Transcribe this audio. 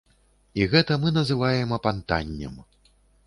І гэта мы называем апантаннем.